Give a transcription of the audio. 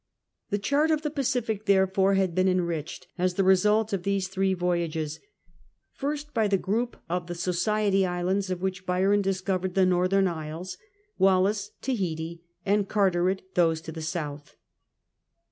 The chart of the Pacific, therefore, had been enrichect as the result of these three voyages, first by the group of the Society Islands, of which Byron discovered the northern isles, Wallis Tahiti, and Carteret those to the south.